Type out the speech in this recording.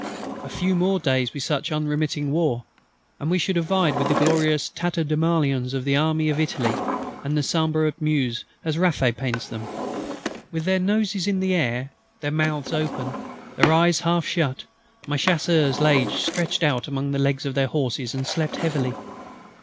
A few more days of such unremitting war, and we should have vied with the glorious tatterdemalions of the armies of Italy and of the Sambre et Meuse, as Raffet paints them. With their noses in the air, their mouths open, their eyes half shut, my Chasseurs lay stretched out among the legs of their horses and slept heavily.